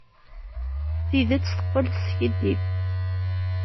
Tidet teqqel teskiddib.